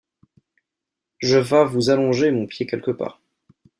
Je vas vous allonger mon pied quelque part.